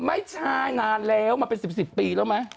ไม่ใช่นานแล้วมาเป็น๑๐ปีแล้วไหม